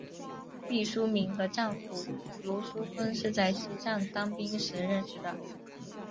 毕淑敏和丈夫芦书坤是在西藏当兵时认识的。